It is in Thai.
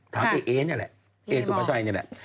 ถามเอเอเนี่ยแหละเอสุปชัยเนี่ยแหละ